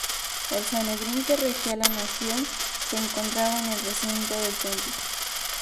El Sanedrín, que regía la nación, se encontraba en el recinto del Templo.